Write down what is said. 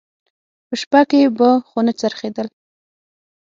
په شپه کې به خونه څرخېدل.